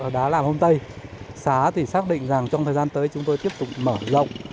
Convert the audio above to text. đã làm hôm tây xá thì xác định rằng trong thời gian tới chúng tôi tiếp tục mở rộng